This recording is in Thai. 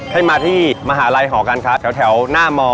ให้มาที่มหาลัยหอการค้าแถวหน้าม